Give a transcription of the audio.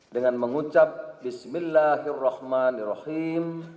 dengan mengucap bismillahirrahmanirrahim